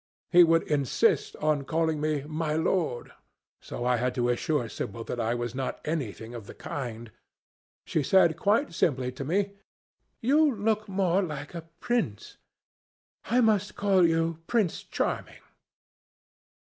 He would insist on calling me 'My Lord,' so I had to assure Sibyl that I was not anything of the kind. She said quite simply to me, 'You look more like a prince. I must call you Prince Charming.